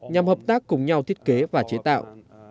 nhằm hợp tác cùng nhau thiết kế và chế tạo